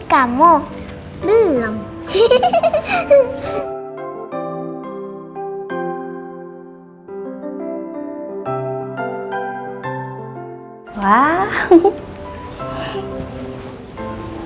emang kamu udah bisa gendong bolang biru